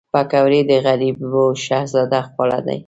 پکورې د غریبو شهزاده خواړه دي